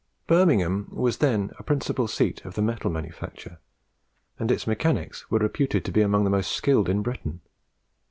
Birmingham was then a principal seat of the metal manufacture, and its mechanics were reputed to be among the most skilled in Britain.